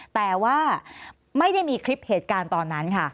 แต่ว่าไม่ได้มีคลิปเหตุการณ์ตอนนั้นค่ะ